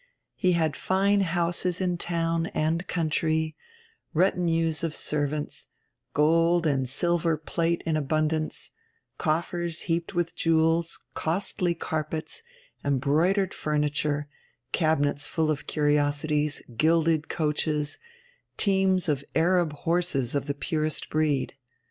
He had fine houses in town and country, retinues of servants, gold and silver plate in abundance, coffers heaped with jewels, costly carpets, embroidered furniture, cabinets full of curiosities, gilded coaches, teams of Arab horses of the purest breed.